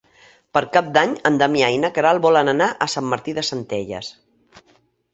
Per Cap d'Any en Damià i na Queralt volen anar a Sant Martí de Centelles.